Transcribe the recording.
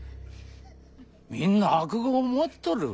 みんな悪業を持っとる。